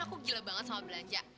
aku gila banget sama belanja